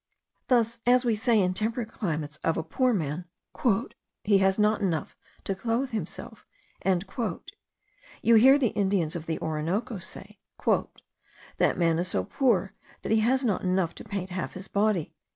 Thus as we say, in temperate climates, of a poor man, "he has not enough to clothe himself," you hear the Indians of the Orinoco say, "that man is so poor, that he has not enough to paint half his body."